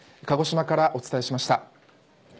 鹿児島からお伝えしました。